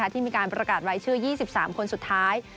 ที่มีการประกาศรายชื่อ๒๓คนสุดท้าย